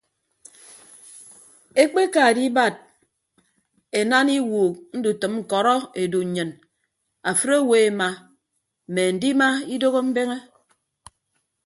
Ekpeka edibad enaana iwuuk ndutʌm ñkọrọ edu nnyin afịd owo ema mme andima idooho mbeñe.